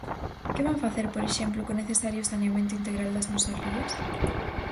¿Que van facer, por exemplo, co necesario saneamento integral das nosas rías?